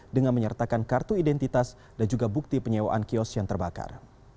dengan menyertakan kartu identitas dan juga bukti penyewaan kios yang terbakar